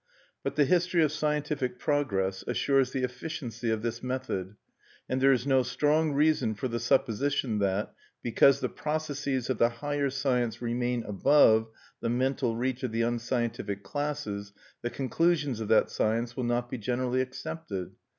But the history of scientific progress assures the efficiency of this method; and there is no strong reason for the supposition that, because the processes of the higher science remain above the mental reach of the unscientific classes, the conclusions of that science will not be generally accepted.